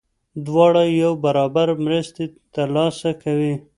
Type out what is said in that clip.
دواړه یو برابر مرستې ترلاسه کوي.